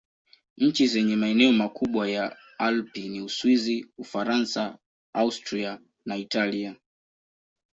Nchi zenye maeneo makubwa ya Alpi ni Uswisi, Ufaransa, Austria na Italia.